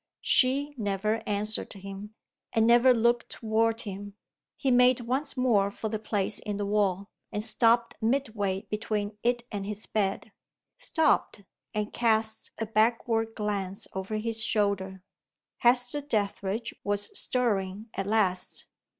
She never answered him, and never looked toward him. He made once more for the place in the wall; and stopped midway between it and his bed stopped, and cast a backward glance over his shoulder. Hester Dethridge was stirring at last.